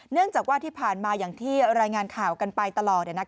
เนื่องจากว่าที่ผ่านมาอย่างที่รายงานข่าวกันไปตลอด